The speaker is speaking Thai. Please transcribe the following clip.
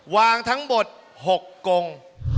วางทั้งหมด๖กง